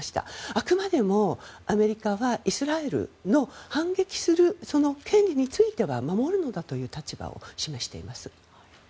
あくまでもアメリカはイスラエルの反撃する、その権利については守るんだという立場を示しています。